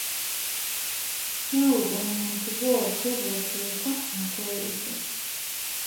Naawe omuntu bw’otyo bw’oteekwa okweyisa.